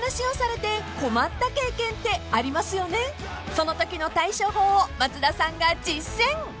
［そのときの対処法を松田さんが実践］